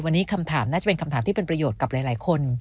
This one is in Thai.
วันนี้คำถามน่าจะเป็นคำถามที่เป็นประโยชน์กับหลายคน